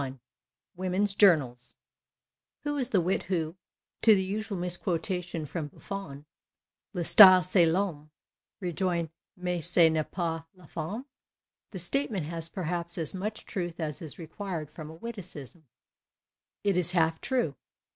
274 WOMEN'S JOURNALS Who was the wit who, to the usual misquotation from Buffon, le style cest Vhomme, rejoined mais ce 11 est pas la fenune ? The statement has perhaps as much truth as is required from a wittieism ; it is half true.